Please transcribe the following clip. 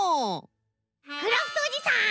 クラフトおじさん！